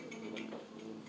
untuk dugaan sementara